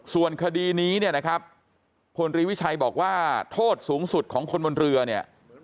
ส่วนคดีนี้เนี่ยนะครับพลตรีวิชัยบอกว่าโทษสูงสุดของคนบนเรือเนี่ย